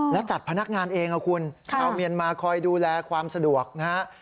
และจัดพนักงานเองครับคุณชาวเมียนมาคอยดูแลความสะดวกนะฮะ